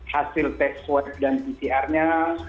hasil test dan pcr nya